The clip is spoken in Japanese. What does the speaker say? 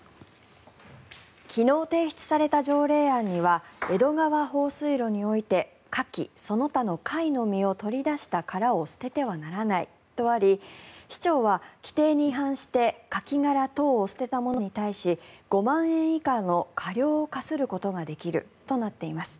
昨日提出された条例案には江戸川放水路においてカキその他の貝の身を取り出した殻を捨ててはならないとあり市長は規定に違反してカキ殻等を捨てた者に対し５万円以下の過料を科することができるとなっています。